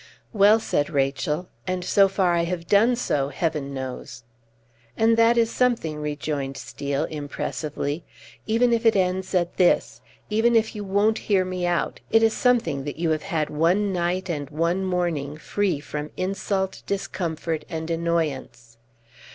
"Well," said Rachel, "and so far I have done so, Heaven knows!" "And that is something," rejoined Steel, impressively. "Even if it ends at this even if you won't hear me out it is something that you have had one night and one morning free from insult, discomfort, and annoyance."